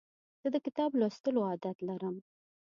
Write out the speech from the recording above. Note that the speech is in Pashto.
زه د کتاب لوستلو عادت لرم.